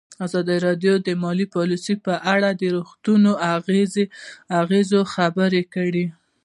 ازادي راډیو د مالي پالیسي په اړه د روغتیایي اغېزو خبره کړې.